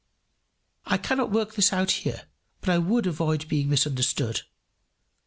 I cannot work this out here, but I would avoid being misunderstood.